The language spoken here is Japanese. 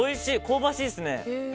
香ばしいですね。